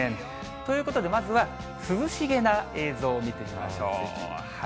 ということでまずは、涼しげな映像見てみましょう。